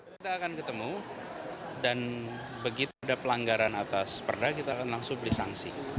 kita akan ketemu dan begitu ada pelanggaran atas perda kita akan langsung beli sanksi